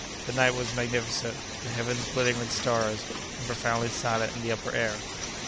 The night was magnificent, the heavens glittering with stars, and profoundly silent in the upper air.